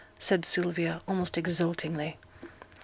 said Sylvia, almost exultingly.